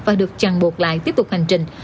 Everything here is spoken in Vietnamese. và được chằn buộc lại tiếp tục hành trình